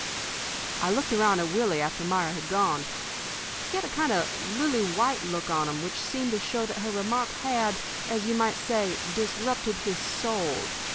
"I looked around at Willie after Myra had gone. He had a kind of a lily white look on him which seemed to show that her remark had, as you might say, disrupted his soul.